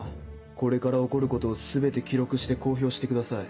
これから起こることを全て記録して公表してください。